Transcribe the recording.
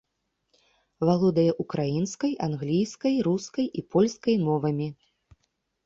Валодае украінскай, англійскай, рускай і польскай мовамі.